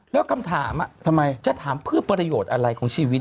แล้วคำถามทำไมจะถามเพื่อประโยชน์อะไรของชีวิต